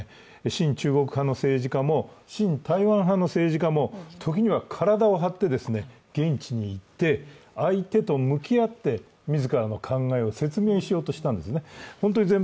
親中国派の政治家も親台湾派の政治家も時には体を張って現地に行って相手と向き合って自らの考えを説明しようとしたんですね。